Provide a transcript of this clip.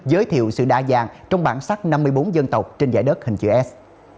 giới thiệu sự đa dạng trong bản sắc năm mươi bốn dân tộc trên giải đất hình chữ s